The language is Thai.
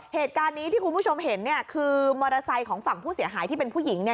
เหตุการณ์นี้ที่คุณผู้ชมเห็นเนี่ยคือมอเตอร์ไซค์ของฝั่งผู้เสียหายที่เป็นผู้หญิงเนี่ย